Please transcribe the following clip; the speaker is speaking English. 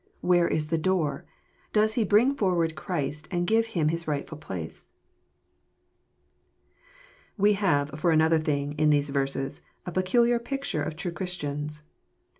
Where is the Door? Does he bring forward Christ, and gives Him his rightful place? We have, for another thing, in these verses, a peculiar picture of true Christians.